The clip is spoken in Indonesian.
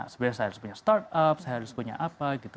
sebenarnya saya harus punya startup saya harus punya apa gitu